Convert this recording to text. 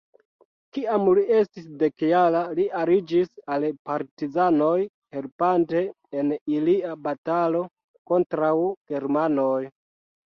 Kiam li estis dekjara, li aliĝis al partizanoj helpante en ilia batalo kontraŭ germanoj.